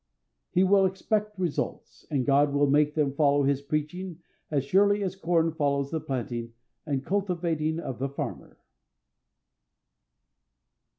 He will expect results, and God will make them follow his preaching as surely as corn follows the planting and cultivating of the farmer.